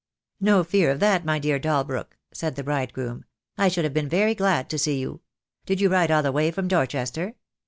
"No fear of that, my dear Dalbrook," said the bride groom. "I should have been very glad to see you. Did you ride all the way from Dorchester?"